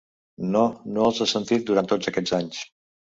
No, no els has sentit durant tots aquests anys.